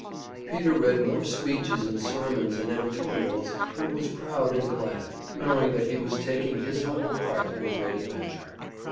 Peter read more speeches and sermons and editorials, and was proud and glad, knowing that he was taking his humble part in the great adventure.